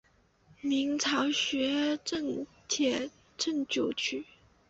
明朝学正秩正九品。